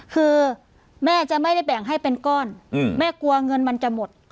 คือแม่จะไม่ได้แบ่งให้เป็นก้อนแม่กลัวเงินมันจะหมด